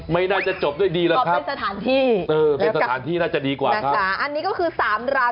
ไม่น่าจะจบด้วยดีแล้วครับ